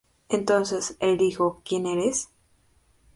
Entonces él dijo: ¿Quién eres?